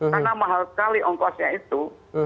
karena mahal sekali ongkosnya itu